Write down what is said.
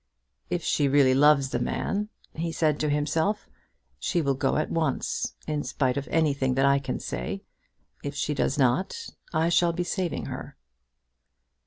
"If she really loves the man," he said to himself, "she will go at once, in spite of anything that I can say. If she does not, I shall be saving her."